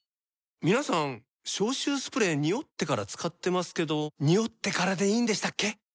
皆さん消臭スプレーニオってから使ってますけどニオってからでいいんでしたっけ？